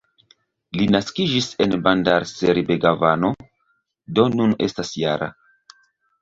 Li naskiĝis en Bandar-Seri-Begavano, do nun estas -jara.